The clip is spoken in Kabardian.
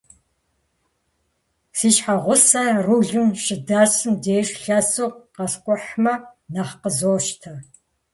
Си щхьэгъусэр рулым щыдэсым деж, лъэсу къэскӏухьмэ нэхъ къызощтэ.